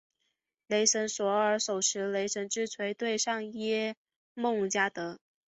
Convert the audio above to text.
雷神索尔手持雷神之锤对上耶梦加得。